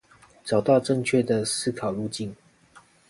找到正確的思考路徑